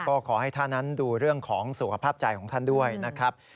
ก็ขอให้ท่านนั้นดูเรื่องของสุขภาพใจของท่านด้วยนะครับ